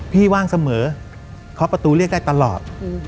ว่างเสมอเคาะประตูเรียกได้ตลอด